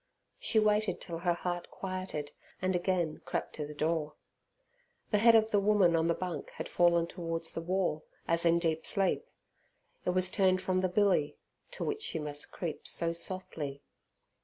She waited till her heart quieted, and again crept to the door. The head of the woman on the bunk had fallen towards the wall as in deep sleep; it was turned from the billy, to which she must creep so softly.